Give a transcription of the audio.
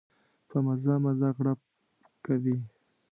په مزه مزه غړپ کوي.